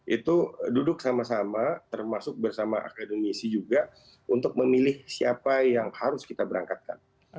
itu duduk sama sama termasuk bersama akademisi juga untuk memilih siapa yang harus kita berangkatkan